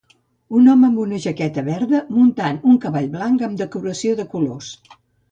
Un home amb una jaqueta verda muntant un cavall blanc amb decoració de colors.